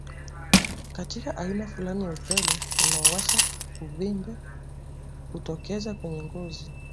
Katika aina fulani ya upele unaowasha uvimbe hutokeza kwenye ngozi